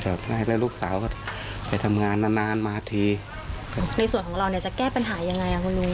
จอดได้แล้วลูกสาวก็ไปทำงานนานมาทีในส่วนของเราเนี้ยจะแก้ปัญหายังไงอ่ะ